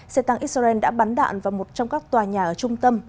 xe tăng israel đã bắn đạn vào một trong các tòa nhà ở trung tâm